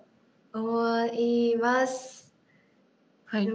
はい。